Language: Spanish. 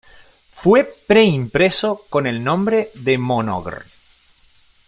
Fue pre impreso con el nombre de "Monogr.